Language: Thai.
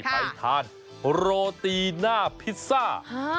ไปทานโรตีหน้าพิซซ่า